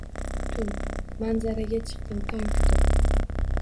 Tun. Manzaraga chiqdim tong kutib